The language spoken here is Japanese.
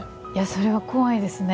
それは怖いですね。